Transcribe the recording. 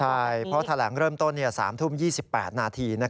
ใช่เพราะแถลงเริ่มต้น๓ทุ่ม๒๘นาที